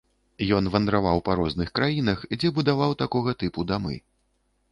Ён вандраваў па розных краінах, дзе будаваў такога тыпу дамы.